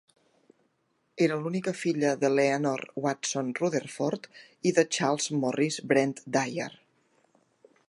Era l'única filla d'Eleanor Watson Rutherford i de Charles Morris Brent-Dyer.